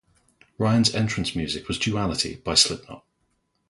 Ryan's entrance music was "Duality" by Slipknot.